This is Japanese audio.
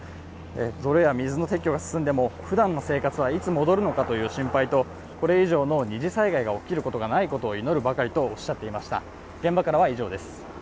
泥や水の撤去が進んでもふだんの生活はいつ戻るのかという心配とこれ以上の二次災害が起きることがないことを祈るばかりとおっしゃっていました。